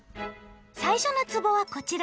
最初のつぼはこちら。